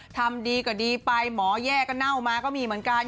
ทำดีก็ดีไปหมอแย่ก็เน่ามาก็มีเหมือนกัน